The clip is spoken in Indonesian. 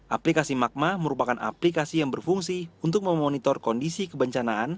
aplikasi magma merupakan aplikasi yang berfungsi untuk memonitor kondisi kebencanaan